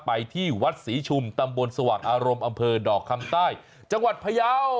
ไปที่วัดศรีชุมตำบลสว่างอารมณ์อำเภอดอกคำใต้จังหวัดพยาว